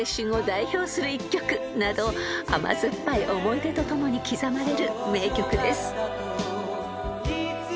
［など甘酸っぱい思い出とともに刻まれる名曲です］